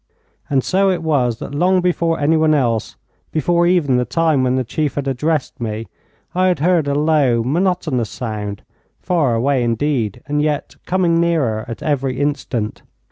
And so it was that long before anyone else, before even the time when the chief had addressed me, I had heard a low, monotonous sound, far away indeed, and yet coming nearer at every instant.